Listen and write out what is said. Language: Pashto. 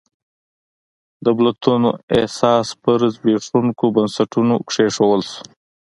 دولتونو اساس پر زبېښونکو بنسټونو کېښودل شو.